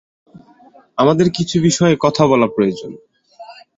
আমাদের কিছু বিষয়ে কথা বলা প্রয়োজন।